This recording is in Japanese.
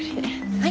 はい。